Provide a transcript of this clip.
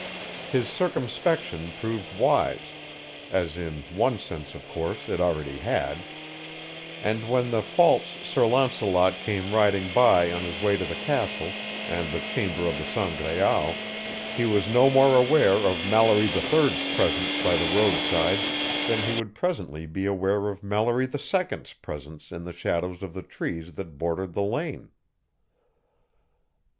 His circumspection proved wise as in one sense, of course, it already had and when the false Sir Launcelot came riding by on his way to the castle and the chamber of the Sangraal, he was no more aware of Mallory III's presence by the roadside than he would presently be aware of Mallory II's presence in the shadows of the trees that bordered the lane.